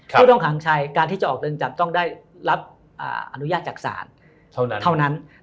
ผู้ต้องขังชายการที่จะออกเรือนจำต้องได้รับอนุญาตจากศาลเท่านั้น